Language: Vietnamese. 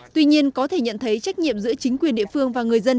tuy nhiên có thể nhận thấy trách nhiệm giữa chính quyền địa phương và người dân